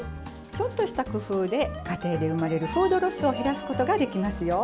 ちょっとした工夫で家庭で生まれるフードロスを減らすことができますよ。